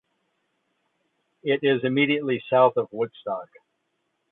It is immediately south of Woodstock.